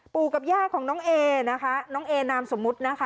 กับย่าของน้องเอนะคะน้องเอนามสมมุตินะคะ